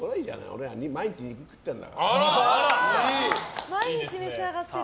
俺は毎日、肉食ってるんだから。